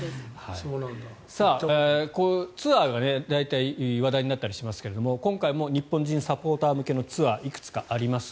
ツアーが大体、話題になったりしますけど今回も日本人サポーター向けのツアーいくつかあります。